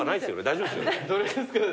大丈夫ですよね？